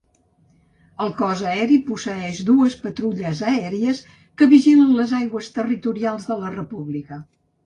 El Cos Aeri posseeix dues patrulles aèries que vigilen les aigües territorials de la república.